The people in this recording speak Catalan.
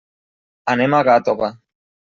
Anem a Gàtova.